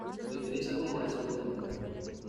Se utiliza como adhesivo natural.